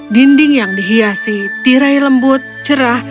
dinding yang dihiasi tirai lembut cerah